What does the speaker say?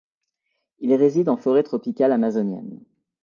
Il réside en forêt tropicale amazonienne.